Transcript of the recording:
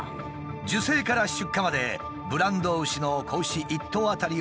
受精から出荷までブランド牛の子牛１頭当たり